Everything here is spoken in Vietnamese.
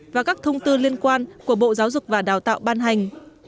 và các thông tư liên quan của bộ giáo dục và đào tạo ban hành